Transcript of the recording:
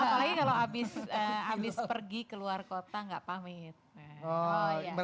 apalagi kalau habis pergi keluar kota nggak pamit